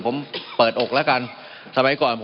มันมีมาต่อเนื่องมีเหตุการณ์ที่ไม่เคยเกิดขึ้น